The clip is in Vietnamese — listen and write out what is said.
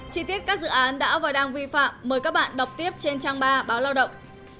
chi tiết các dự án đã và đang vi phạm mời các bạn đọc tiếp trên trang ba báo lao động